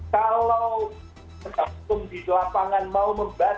kalau pendakwa hukum di lapangan mau membaca pedoman